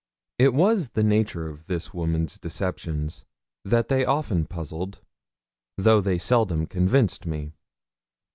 It was the nature of this woman's deceptions that they often puzzled though they seldom convinced me.